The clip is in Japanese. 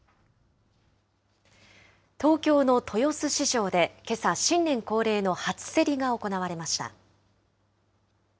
東京の豊洲市場でけさ、新年恒例の初競りが行われました。